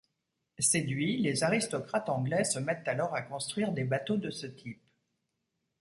Séduits, les aristocrates anglais se mettent alors à construire des bateaux de ce type.